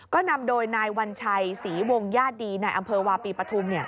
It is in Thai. ก็นำโดยนายวัญชัยศรีวงญาติดีในอำเภอวาปีปฐุม